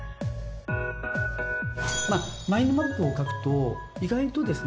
マインドマップを描くと意外とですね